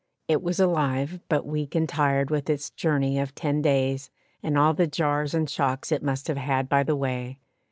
It was alive, but weak and tired with its journey of ten days and all the jars and shocks it must have had by the way.